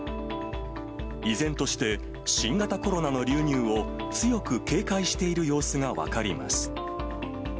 依然として、新型コロナの流入を強く警戒している様子が分かります。